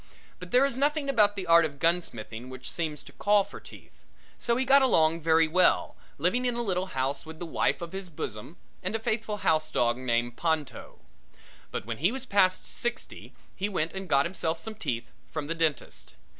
But there is nothing about the art of gunsmithing which seems to call for teeth, so he got along very well, living in a little house with the wife of his bosom and a faithful housedog named Ponto. But when he was past sixty he went and got himself some teeth from the dentist.